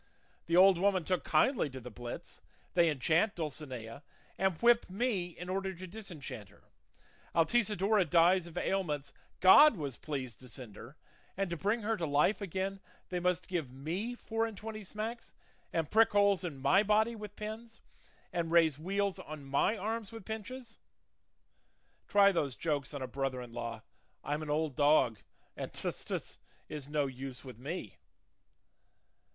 'The old woman took kindly to the blits;' they enchant Dulcinea, and whip me in order to disenchant her; Altisidora dies of ailments God was pleased to send her, and to bring her to life again they must give me four and twenty smacks, and prick holes in my body with pins, and raise weals on my arms with pinches! Try those jokes on a brother in law; 'I'm an old dog, and "tus, tus" is no use with me.